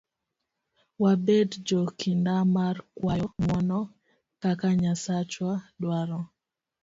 Wabed jo kinda mar kwayo ng'uono kaka Nyasachwa dwaro.